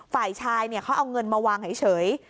ฝ่ายชายเนี่ยเขาเอาเงินมาวางให้เฉย